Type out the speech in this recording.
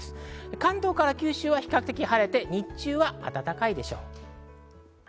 関東から九州は比較的晴れて日中は暖かいでしょう。